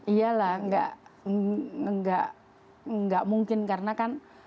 iyalah gak mungkin karena kan